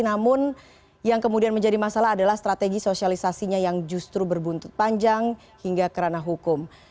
namun yang kemudian menjadi masalah adalah strategi sosialisasinya yang justru berbuntut panjang hingga kerana hukum